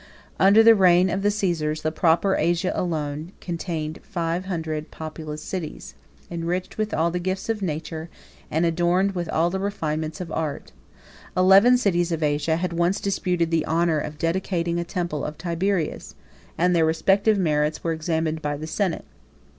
Under the reign of the Cæsars, the proper Asia alone contained five hundred populous cities, 79 enriched with all the gifts of nature, and adorned with all the refinements of art. Eleven cities of Asia had once disputed the honor of dedicating a temple of Tiberius, and their respective merits were examined by the senate.